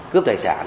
cướp tài sản